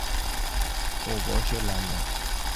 اوباش لندن